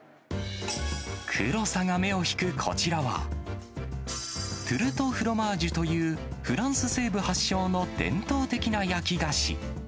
黒さが目を引くこちらは、トゥルト・フロマージュというフランス西部発祥の伝統的な焼き菓子。